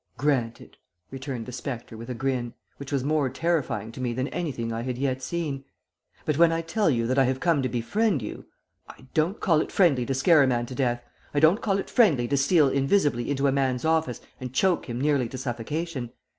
"'Granted,' returned the spectre with a grin, which was more terrifying to me than anything I had yet seen, 'but when I tell you that I have come to befriend you ' "'I don't call it friendly to scare a man to death; I don't call it friendly to steal invisibly into a man's office and choke him nearly to suffocation.